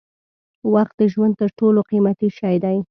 وخت د ژوند تر ټولو قیمتي شی دی.